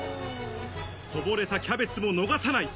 こぼれたキャベツも逃がさない。